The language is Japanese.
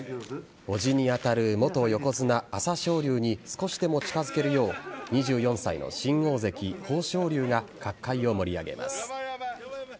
叔父に当たる元横綱・朝青龍に少しでも近づけるよう２４歳の新大関・豊昇龍が角界を盛り上げます。